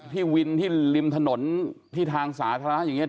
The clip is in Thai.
ที่วินที่ริมถนนที่ทางสาธารณะอย่างนี้